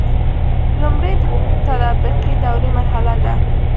لمړی د تطابقي دورې مرحله ده.